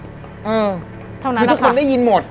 เออเท่านั้นแหละค่ะคือทุกคนได้ยินหมด